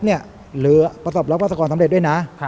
หรือประสบรับภาษากรสำเร็จด้วยนะ